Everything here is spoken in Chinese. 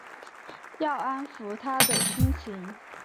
要安抚她的心情